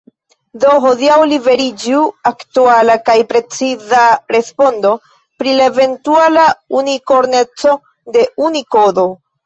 Do hodiaŭ liveriĝu aktuala kaj preciza respondo pri la eventuala unikorneco de Unikodo.